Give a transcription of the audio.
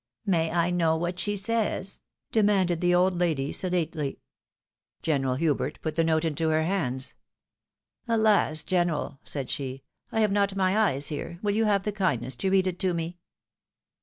" May I know what she says ?" demanded the old lady, sedately. General Hubert put the note into her hands. "Alasl MOKE BANTER. 159 general," said she, " I have not my eyes here — will you have the kindness to read it to me